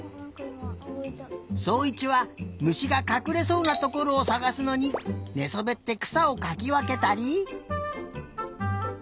そういちはむしがかくれそうなところをさがすのにねそべってくさをかきわけたり。